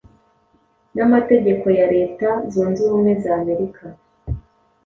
namategeko ya reta zunzubumwe za Amerika